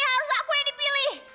harus aku yang dipilih